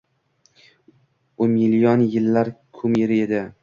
u million yillar kumiri edi.